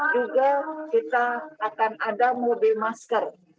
juga kita akan ada mobil masker